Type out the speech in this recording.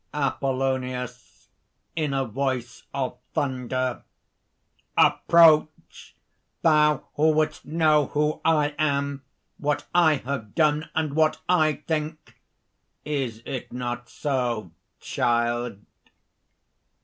APOLLONIUS (in a voice of thunder: ) "Approach! Thou wouldst know who I am, what I have done, and what I think, is it not so, child?"